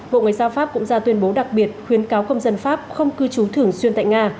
bộ ngoại giao pháp cũng ra tuyên bố đặc biệt khuyến cáo công dân pháp không cư trú thường xuyên tại nga